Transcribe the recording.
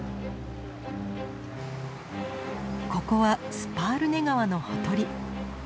ここはスパールネ川のほとり。